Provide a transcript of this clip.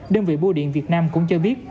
đơn vị bùa điện việt nam cũng cho biết